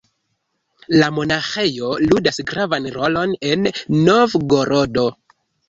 La monaĥejo ludas gravan rolon en Novgorodo.